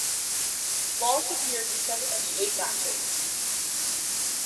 Walsh appeared in seven of the eight matches.